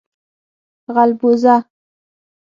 🐜 غلبوزه